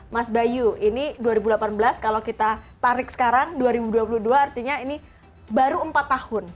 mas bayu ini dua ribu delapan belas kalau kita tarik sekarang dua ribu dua puluh dua artinya ini baru empat tahun